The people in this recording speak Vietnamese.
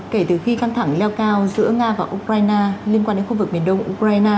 kể từ khi căng thẳng leo cao giữa nga và ukraine liên quan đến khu vực miền đông ukraine